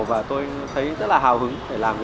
và tôi thấy rất là hào hứng